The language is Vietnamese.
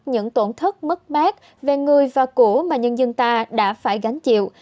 những tổn thất mất mát về người và cổ mà nhân dân ta đã phải gánh chịu